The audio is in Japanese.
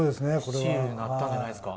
スティールになったんじゃないですか。